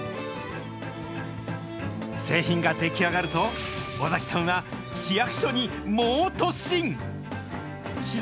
製品が出来上がると、尾崎さんは市役所にモ突進。